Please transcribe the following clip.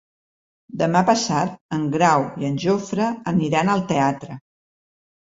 Demà passat en Grau i en Jofre aniran al teatre.